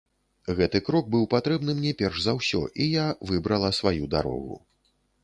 Гэты крок быў патрэбны мне перш за ўсё, і я выбрала сваю дарогу.